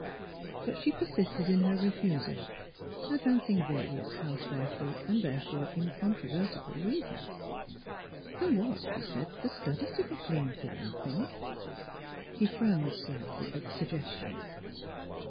But she persisted in her refusal, advancing va rious housewifely and, therefore, incontrovertible reasons. There was, she said, the study to be cleaned, for one thing. He frowned slightly at the suggestion.